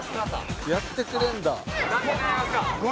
「やってくれるんだ」